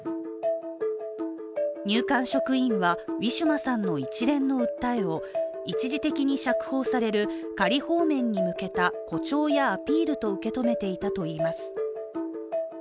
入管職員は、ウィシュマさんの一連の訴えを一時的に釈放される仮放免に向けた誇張やアピールと受け止めていたといいます。